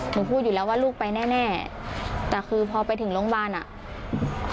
หนูพูดอยู่แล้วว่าลูกไปแน่แน่แต่คือพอไปถึงโรงพยาบาลอ่ะ